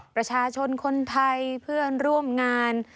ประชาชนคนไทยเพื่อนร่วมงาน